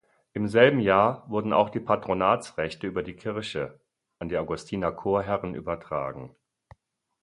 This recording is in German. Im selben Jahr wurden auch die Patronatsrechte über die Kirche an die Augustinerchorherren übertragen.